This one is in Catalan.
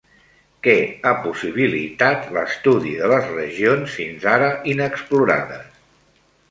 Què ha possibilitat l'estudi de les regions fins ara inexplorades?